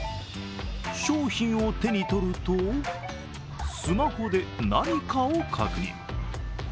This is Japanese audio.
商品を手にとるとスマホで何かを確認。